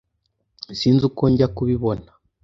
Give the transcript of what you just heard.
Sinzi uko njya kubibona